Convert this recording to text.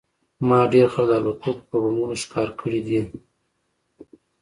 ما ډېر خلک د الوتکو په بمونو ښکار کړي دي